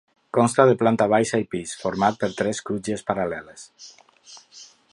Consta de planta baixa i pis, format per tres crugies paral·leles.